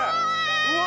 うわ！